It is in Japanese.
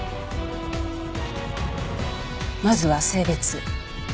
まずは性別。